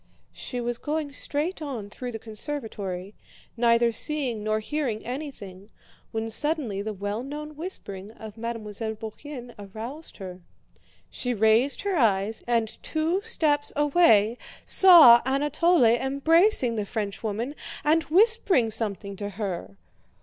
She was going straight on through the conservatory, neither seeing nor hearing anything, when suddenly the well known whispering of Mademoiselle Bourienne aroused her. She raised her eyes, and two steps away saw Anatole embracing the Frenchwoman and whispering something to her.